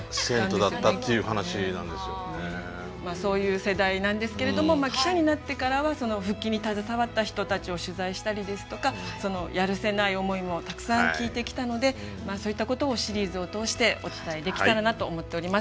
まあそういう世代なんですけれども記者になってからは復帰に携わった人たちを取材したりですとかやるせない思いもたくさん聞いてきたのでそういったことをシリーズを通してお伝えできたらなと思っております。